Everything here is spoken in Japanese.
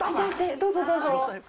どうぞどうぞ。